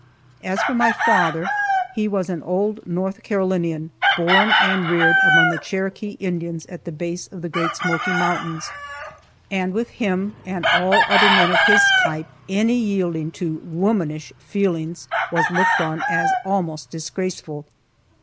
As for my father, he was an old North Carolinian, born and reared among the Cherokee Indians at the base of the Great Smoky Mountains, and with him, and all other men of his type, any yielding to "womanish" feelings was looked on as almost disgraceful.